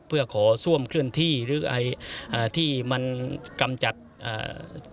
เพื่อขอซ่วมเคลื่อนที่หรือไออ่าที่มันกำจัดอ่า